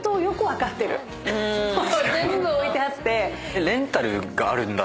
全部置いてあって。